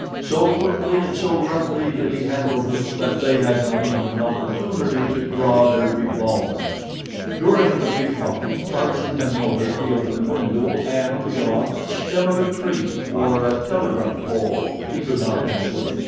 So quickly and so roughly did he handle them that they had not even an opportunity to draw their revolvers. During the brief fight Tarzan had noted the open window and, beyond, the stem of a tree, or a telegraph pole—he could not tell which.